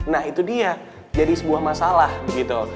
nah itu dia jadi sebuah masalah gitu